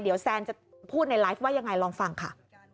เดี๋ยวแซนจะพูดในไลฟ์ว่ายังไงลองฟังค่ะ